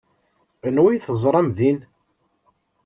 Anwa ay teẓram din?